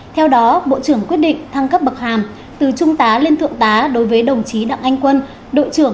theo đó bộ trưởng quyết định thăng cấp bậc hàm từ trung tá lên thượng tá đối với đồng chí đặng anh quân đội trưởng